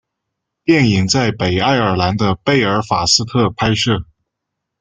电影在北爱尔兰的贝尔法斯特拍摄。